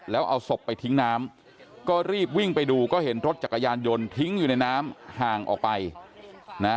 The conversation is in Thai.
แล้วเอาศพไปทิ้งน้ำก็รีบวิ่งไปดูก็เห็นรถจักรยานยนต์ทิ้งอยู่ในน้ำห่างออกไปนะ